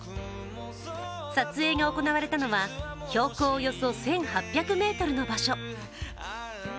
撮影が行われたのは標高およそ１８００ｍの場所。